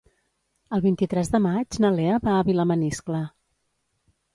El vint-i-tres de maig na Lea va a Vilamaniscle.